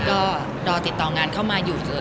ก็รอติดต่องานเข้ามาอยู่